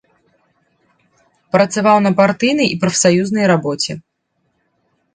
Працаваў на партыйнай і прафсаюзнай рабоце.